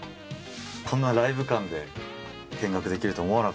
こんなライブ感で見学できると思わなかったので。